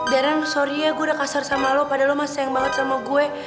daran sorry ya gue udah kasar sama lo pada lo mas sayang banget sama gue